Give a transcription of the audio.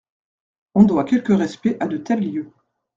On doit quelque respect à de tels lieux.